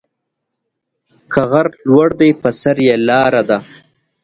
که غر لوړ دى، په سر يې لار ده.